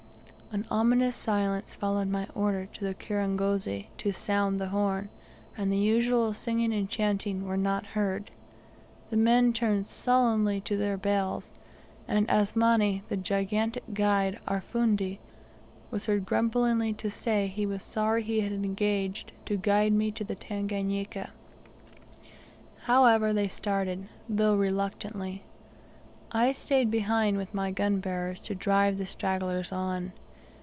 An ominous silence followed my order to the kirangozi to sound the horn, and the usual singing and chanting were not heard. The men turned sullenly to their bales, and Asmani, the gigantic guide, our fundi, was heard grumblingly to say he was sorry he had engaged to guide me to the Tanganika. However, they started, though reluctantly. I stayed behind with my gunbearers, to drive the stragglers on.